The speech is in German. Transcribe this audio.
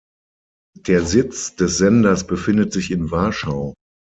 Der Sitz des Senders befindet sich in Warschau.